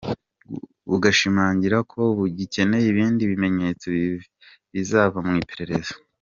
Bugashimangira ko bugikeneye ibindi bimenyetso bizava mu iperereza.